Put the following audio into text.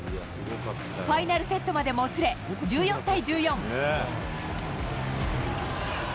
ファイナルセットまでもつれ、１４対１４。